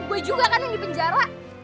gue juga kan yang di penjara